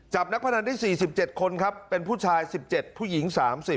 นักพนันได้๔๗คนครับเป็นผู้ชาย๑๗ผู้หญิง๓๐